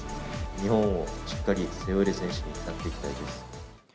日本をしっかり背負える選手になっていきたいです。